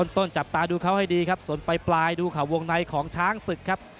จับตาดูเขาให้ดีครับส่วนปลายดูข่าววงในของช้างศึกครับ